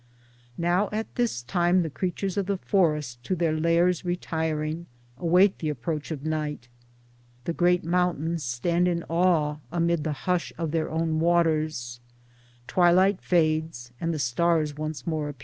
Now at this time the creatures of the forest to their lairs retiring await the approach of night ; the great moun tains stand in awe amid the hush of their own waters ; twilight fades and the stars once more appear.